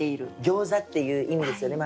「餃子」っていう意味ですよね。